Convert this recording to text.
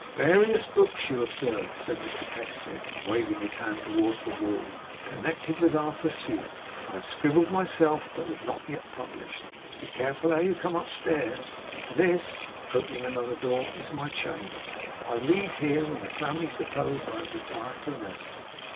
'Various books you observe,' said Mr Pecksniff, waving his hand towards the wall, 'connected with our pursuit. I have scribbled myself, but have not yet published. Be careful how you come upstairs. This,' opening another door, 'is my chamber. I read here when the family suppose I have retired to rest.